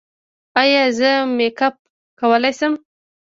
ایا زه میک اپ کولی شم؟